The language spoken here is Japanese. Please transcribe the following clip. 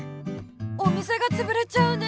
お店がつぶれちゃうね。